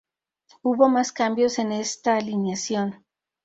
Hubo más cambios en esta alineación.